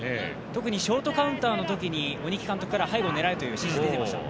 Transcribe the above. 特にショートカウンターのとにき鬼木監督から背後を狙えという指示が出ていました。